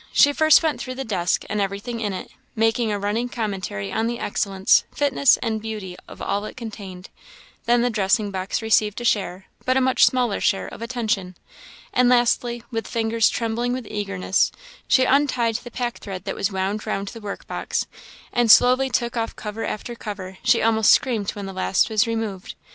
She first went through the desk and everything in it, making a running commentary on the excellence, fitness, and beauty of all it contained; then the dressing box received a share, but a much smaller share, of attention; and lastly, with fingers trembling with eagerness, she untied the pack thread that was wound round the workbox, and slowly took off cover after cover; she almost screamed when the last was removed.